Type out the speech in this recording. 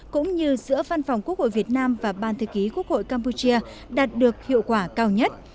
cũng như giữa văn phòng quốc hội việt nam và ban thư ký quốc hội campuchia đạt được hiệu quả cao nhất